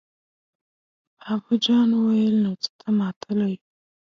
بابو جان وويل: نو څه ته ماتله يو!